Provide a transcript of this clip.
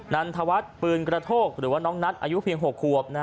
นันทวัฒน์ปืนกระโทกหรือว่าน้องนัทอายุเพียง๖ขวบ